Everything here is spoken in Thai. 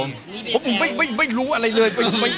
ไม่รู้อะไรเลย